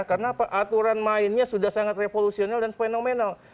karena apa aturan mainnya sudah sangat revolusional dan fenomenal